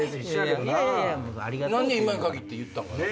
何で今に限って言ったんかな？